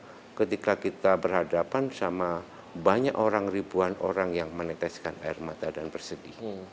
bagaimana kita bisa tegar ketika kita berhadapan sama banyak orang ribuan orang yang meneteskan air mata dan bersedih